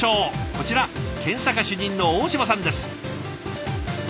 こちら検査課主任の大嶋さんです。